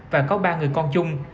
và có ba người con chung